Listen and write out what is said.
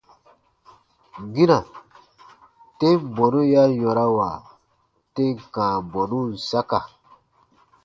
Gina, tem bɔnu ya yɔ̃rawa tem kãa bɔnun saka.